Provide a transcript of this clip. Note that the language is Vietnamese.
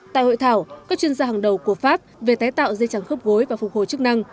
tại hội thảo các chuyên gia hàng đầu của pháp về tái tạo dây chẳng khớp gối và phục hồi chức năng